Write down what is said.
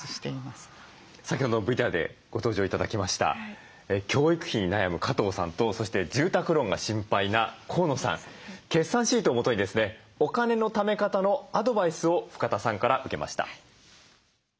先ほどのＶＴＲでご登場頂きました教育費に悩む加藤さんとそして住宅ローンが心配な河野さん決算シートをもとにですねお金のため方のアドバイスを深田さんから受けました。